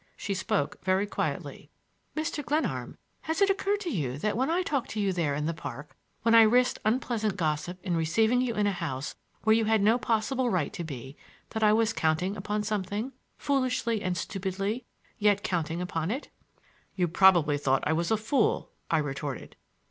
She spoke very quietly. "Mr. Glenarm, has it occurred to you that when I talked to you there in the park, when I risked unpleasant gossip in receiving you in a house where you had no possible right to be, that I was counting upon something, —foolishly and stupidly,—yet counting upon it?" "You probably thought I was a fool," I retorted.